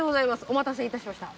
お待たせ致しました。